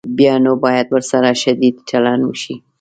بیا نو باید ورسره شدید چلند وشي.